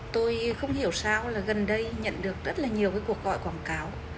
tôi không hiểu sao là gần đây nhận được rất là nhiều cái cuộc gọi quảng cáo